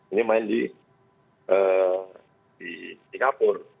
ini main di singapura